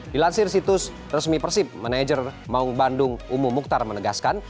dilansir situs resmi persib manajer maung bandung umu mukhtar menegaskan